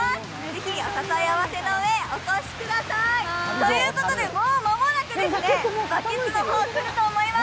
ぜひ、お誘い合わせのうえ、お越しください。ということで、もう間もなくバケツのほうがくると思います。